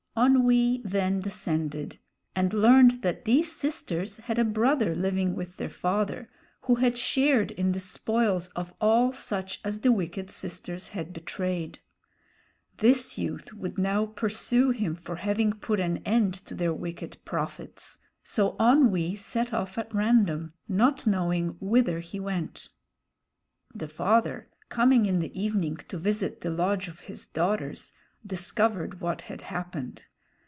Onwee then descended, and learned that these sisters had a brother living with their father, who had shared in the spoils of all such as the wicked sisters had betrayed. This youth would now pursue him for having put an end to their wicked profits, so Onwee set off at random, not knowing whither he went. The father, coming in the evening to visit the lodge of his daughters, discovered what had happened.